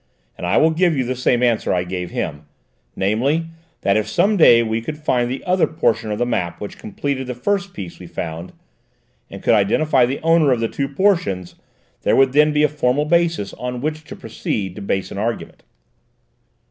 "And I will give you the same answer I gave him, namely, that if some day we could find the other portion of the map which completed the first piece we found, and could identify the owner of the two portions, there would then be a formal basis on which to proceed to base an argument."